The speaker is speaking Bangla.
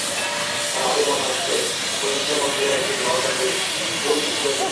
হ্যাঁ, আমাদের মনে হচ্ছে অ্যাম্বুলেন্সটার মধ্যে একজন লস এঞ্জেলস পুলিশ অফিসার ছিলো।